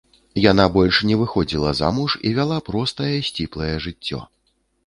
Яна больш не выходзіла замуж і вяла простае сціплае жыццё.